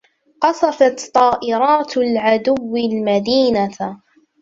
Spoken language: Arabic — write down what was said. قصفت طائرات العدوّ المدينة.